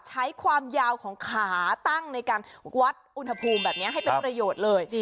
ใช้ความยาวของขาตั้งในการวัดอุณหภูมิแบบนี้ให้เป็นประโยชน์เลย